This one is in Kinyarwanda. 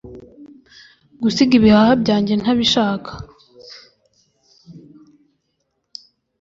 gusiga ibihaha byanjye ntabishaka